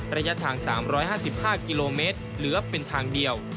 ระยะทาง๓๕๕กิโลเมตรเหลือเป็นทางเดียว